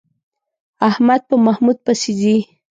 احمد په محمود پسې ځي.